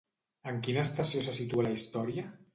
En quina estació se situa la història?